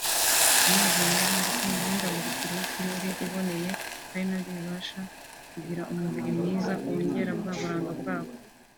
amazi meza ndetse n’imihindagurikire y’ikirere iboneye ari nabyo bibafasha kugira umubiri mwiza wongera bwa buranga bwabo